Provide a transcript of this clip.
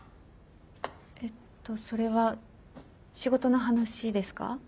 えっとそれは仕事の話ですか？